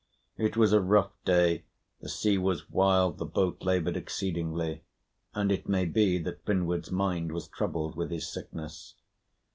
It was a rough day, the sea was wild, the boat laboured exceedingly, and it may be that Finnward's mind was troubled with his sickness.